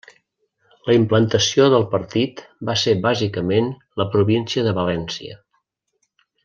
La implantació del partit va ser bàsicament la província de València.